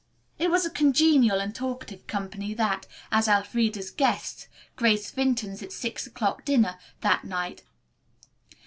It was a congenial and talkative company that, as Elfreda's guests, graced Vinton's at six o'clock dinner that night.